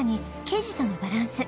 生地とのバランス